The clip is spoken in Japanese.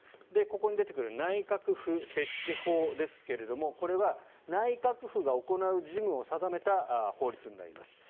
ここに出てくる内閣府設置法ですがこれは内閣府が行う事務を定めた法律になります。